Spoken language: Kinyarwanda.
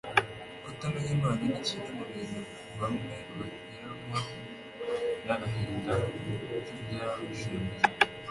kutamenya imana ni kimwe mu bituma bamwe baheranwa n'agahinda k'ibyabashenguye